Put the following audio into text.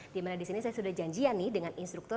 di mana disini saya sudah janjian nih dengan indonesia